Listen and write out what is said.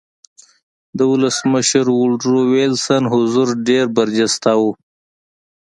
د ولسمشر ووډرو وېلسن حضور ډېر برجسته و